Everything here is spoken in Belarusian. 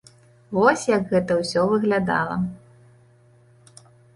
Вось, як гэта ўсё выглядала.